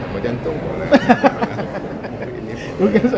mau jantung boleh